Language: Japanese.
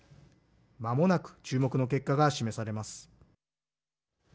まもなく注目の結果が示されます。